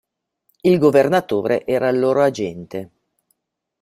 Il governatore era il loro agente.